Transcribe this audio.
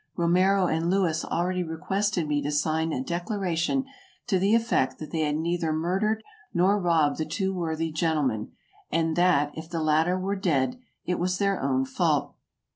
Romero and Louis already requested me to sign a declara tion to the effect that they had neither murdered nor robbed the two worthy gentlemen, and that, if the latter were dead, it was their own fault.